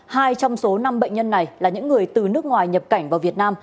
hai trong số năm bệnh nhân này là những người từ nước ngoài nhập cảnh vào việt nam